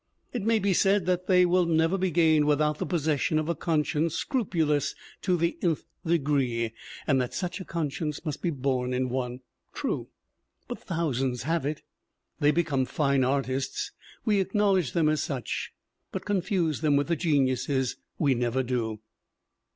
It may be said that they will never be gained without the possession of a conscience scrupulous to the nth degree and that such a conscience must be born in one. True, but thousands have it. They be come fine artists, we acknowledge them as such; but confuse them with the geniuses we never do!